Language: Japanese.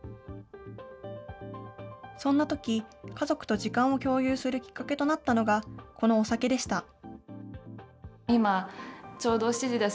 そんなとき、家族と時間を共有するきっかけとなったのが、このお酒でした。